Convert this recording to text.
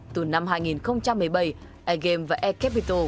từ năm hai nghìn một mươi bảy air game và air capital